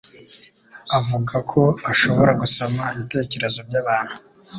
avuga ko ashobora gusoma ibitekerezo byabantu.